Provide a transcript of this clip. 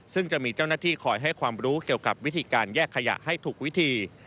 ซึ่งจะมีเจ้าหน้าที่คอยให้ความรู้เกี่ยวกับวิธีการแยกขยะให้ถูกวิธี